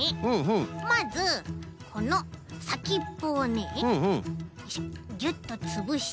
まずこのさきっぽをねよいしょギュッとつぶして。